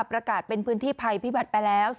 ประกาศเป็นพื้นที่ภัยพิบัติไปแล้ว